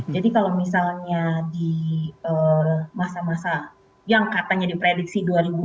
jadi kalau misalnya di masa masa yang katanya diprediksi dua ribu dua puluh tiga